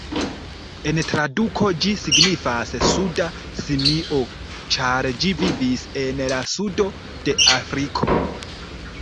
En traduko ĝi signifas "suda simio", ĉar ĝi vivis en la sudo de Afriko.